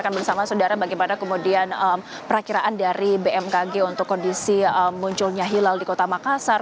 kita akan bersama saudara bagaimana kemudian perakiraan dari bmkg untuk kondisi munculnya hilal di kota makassar